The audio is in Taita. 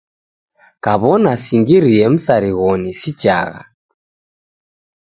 Kaw'ona singirie msarighoni, sichagha